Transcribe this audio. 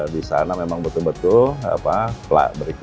di sana memang betul betul plak